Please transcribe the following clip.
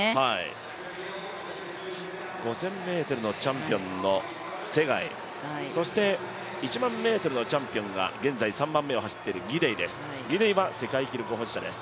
５０００ｍのチャンピオンのツェガイ、そして１００００ｍのチャンピオンが現在３番目を走っているギデイですギデイは今、世界記録を保持しています。